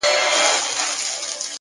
پر وجود څه ډول حالت وو اروا څه ډول وه’